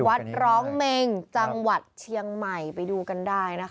วัดร้องเมงจังหวัดเชียงใหม่ไปดูกันได้นะคะ